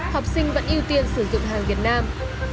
học sinh vẫn ưu tiên sử dụng hàng việt nam